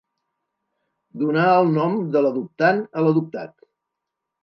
Donar el nom de l'adoptant a l'adoptat.